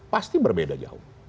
pasti berbeda jauh